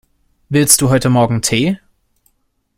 Willst du heute Morgen Tee?